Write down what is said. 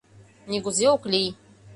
— Нигузе ок лий.